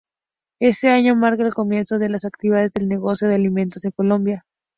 Ese año marca el comienzo de las actividades del negocio de alimentos en Colombia.